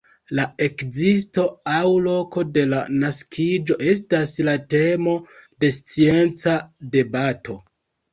La ekzisto aŭ loko de la naskiĝo estas la temo de scienca debato.